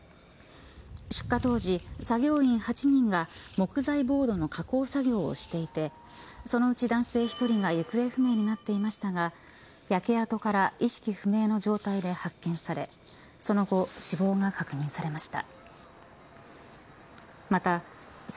出火当時、作業員８人が木材ボードの加工作業をしていてそのうち男性１人が行方不明となっていましたが焼け跡から意識不明の状態で発見されその後、死亡が確認されました。